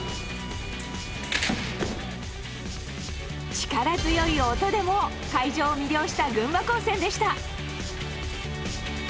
力強い音でも会場を魅了した群馬高専でした。